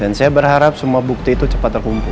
dan saya berharap semua bukti itu cepat terkumpul